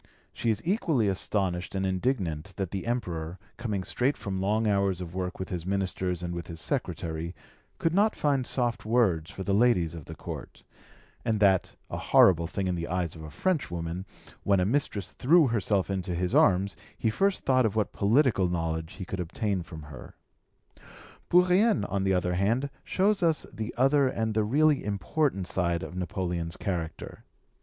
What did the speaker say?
She is equally astonished and indignant that the Emperor, coming straight from long hours of work with his ministers and with his secretary, could not find soft words for the ladies of the Court, and that, a horrible thing in the eyes of a Frenchwoman, when a mistress threw herself into his arms, he first thought of what political knowledge he could obtain from her. Bourrienne, on the other hand, shows us the other and the really important side of Napoleon's character.